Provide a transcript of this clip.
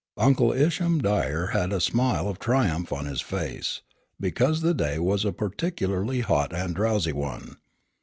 Uncle Isham Dyer had a smile of triumph on his face, because the day was a particularly hot and drowsy one.